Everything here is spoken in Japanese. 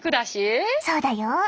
そうだよ。